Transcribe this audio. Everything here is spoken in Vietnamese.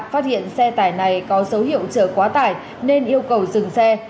phát hiện xe tải này có dấu hiệu chở quá tải nên yêu cầu dừng xe